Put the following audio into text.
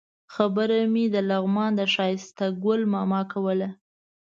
خبره مې د لغمان د ښایسته ګل ماما کوله.